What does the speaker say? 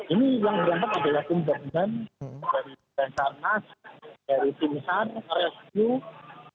ini yang berangkat adalah tim gabungan dari basarmas dari tim san rescue